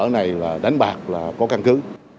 cơ sở này là đánh bạc là có căn cứ